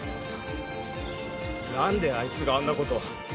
何であいつがあんなこと。